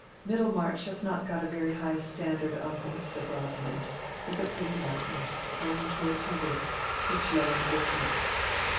"Middlemarch has not a very high standard, uncle," said Rosamond, with a pretty lightness, going towards her whip, which lay at a distance.